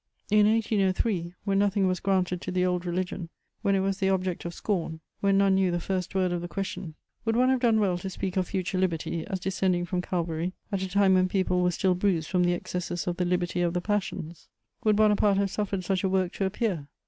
In 1803, when nothing was granted to the old religion, when it was the object of scorn, when none knew the first word of the question, would one have done well to speak of future liberty as descending from Calvary, at a time when people were still bruised from the excesses of the liberty of the passions? Would Bonaparte have suffered such a work to appear?